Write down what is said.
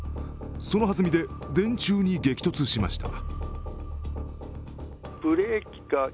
その弾みで電柱に激突しました。